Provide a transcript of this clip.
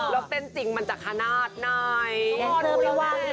แจ้กรีนไม่ว่างนี่